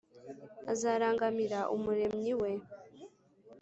azarangamira Umuremyi we